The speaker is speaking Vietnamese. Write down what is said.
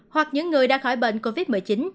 hoặc những người đã khỏi bệnh covid một mươi chín